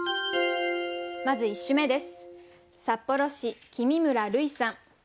まず１首目です。